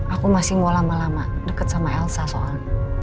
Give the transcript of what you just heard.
aku masih mau lama lama deket sama elsa soalnya